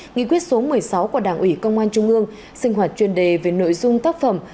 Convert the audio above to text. nghị quyết số một mươi sáu của đảng ủy công an trung ương sinh hoạt chuyên đề về nội dung tác phẩm